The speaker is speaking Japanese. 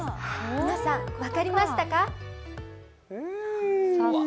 皆さん分かりましたか？